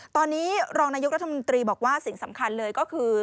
ตอนนี้รองนายกรัฐมนตรีบอกว่าสิ่งสำคัญเลยก็คือ